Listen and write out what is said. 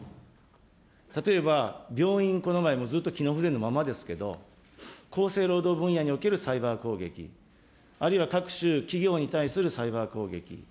例えば、病院、この前、ずっと機能不全のままですけど、厚生労働分野におけるサイバー攻撃、あるいは、各種企業に対するサイバー攻撃。